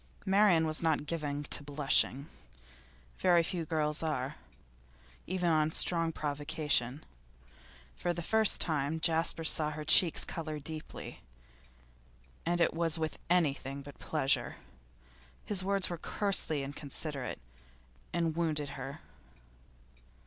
'Marian was not given to blushing; very few girls are, even on strong provocation. For the first time Jasper saw her cheeks colour deeply, and it was with anything but pleasure. His words were coarsely inconsiderate, and wounded her.